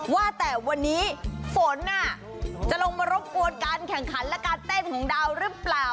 ว่าแต่วันนี้ฝนจะลงมารบกวนการแข่งขันและการเต้นของดาวหรือเปล่า